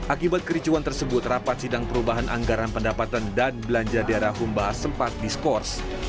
akibat kericuan tersebut rapat sidang perubahan anggaran pendapatan dan belanja daerah humbas sempat diskors